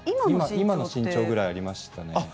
今の身長ぐらいありましたね。